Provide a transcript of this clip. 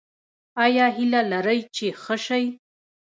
ایا هیله لرئ چې ښه شئ؟